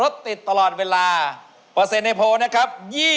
๑๑๑๓เปอร์เซ็นต์ครับ